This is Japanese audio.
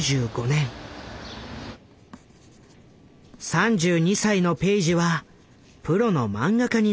３２歳のペイジはプロのマンガ家になっていた。